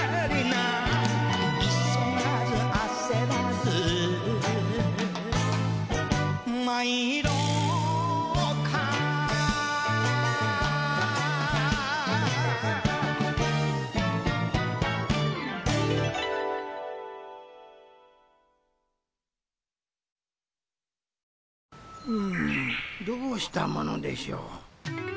うんどうしたものでしょう。